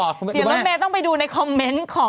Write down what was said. เดี๋ยวรถเมย์ต้องไปดูในคอมเมนต์ของ